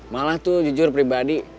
malah tuh jujur pribadi